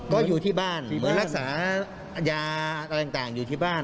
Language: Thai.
ก็อยู่ที่บ้านเหมือนรักษายาอะไรต่างอยู่ที่บ้าน